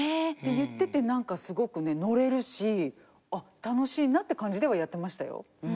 言ってて何かすごくねのれるしあっ楽しいなっていう感じではやってましたよ。